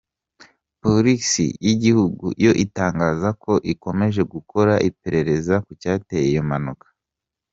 Polisi y’igihugu yo itangaza ko ikomeje gukora iperereza ku cyateye iyo mpanuka.